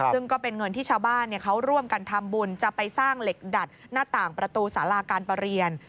ซึ่งก็เป็นเงินที่ชาวบ้านเขาร่วมกันทำบุญจะไปสร้างเหล็กดัดหน้าต่างประตูสาราการประเรียน